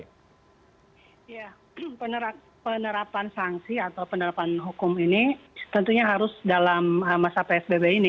ya penerapan sanksi atau penerapan hukum ini tentunya harus dalam masa psbb ini